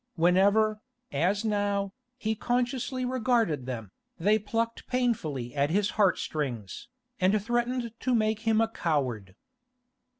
Whenever, as now, he consciously regarded them, they plucked painfully at his heart strings, and threatened to make him a coward.